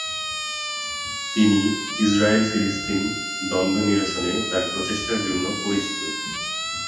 তিনি ইসরায়েল -ফিলিস্তিন দ্বন্দ্ব নিরসনে তার প্রচেষ্টার জন্য পরিচিত।